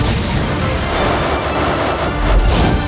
di negara senter